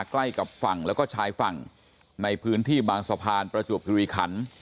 ใกล้กับฝั่งแล้วก็ชายฝั่งในพื้นที่บางสะพานประจวบคิริขัน